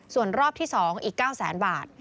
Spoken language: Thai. ส่วนรอบที่๒อีก๙แสนบาท